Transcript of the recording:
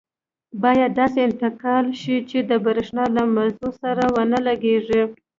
باید داسې انتقال شي چې د بریښنا له مزو سره ونه لګېږي.